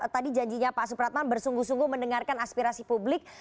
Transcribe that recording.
tadi janjinya pak supratman bersungguh sungguh mendengarkan aspirasi publik